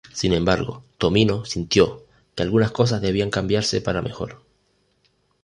Sin embargo, Tomino sintió que algunas cosas debían de cambiarse para mejor.